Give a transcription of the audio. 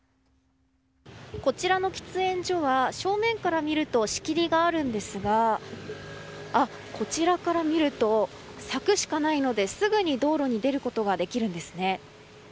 こちらの喫煙所は正面から見ると仕切りがあるんですがこちらから見ると柵しかないのですぐに道路に出ることができるんですね。